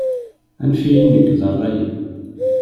Anef-iyi nekk d rray-iw.